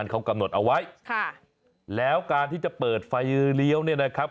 ไฟเลี้ยวเนี่ยนะครับ